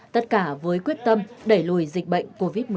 tất cả với quyết tâm đẩy lùi dịch bệnh covid một mươi chín